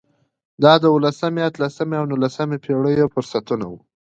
دا د اولسمې، اتلسمې او نولسمې پېړیو فرصتونه وو.